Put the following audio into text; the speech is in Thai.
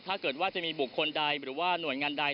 ถ้าเกิดว่าจะมีบุคคลใดหรือว่าหน่วยงานใด